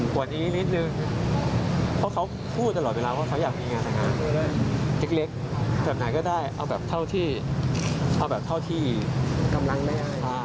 กว่านี้นิดนึงเพราะเขาพูดตลอดเวลาว่าเขาอยากมีงานแต่งนี้เล็กแบบไหนก็ได้เอาแบบเท่าที่กำลังได้